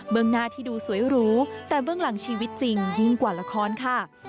เมืองหน้าที่ดูสวยหรูแต่เบื้องหลังชีวิตจริงยิ่งกว่าละครค่ะ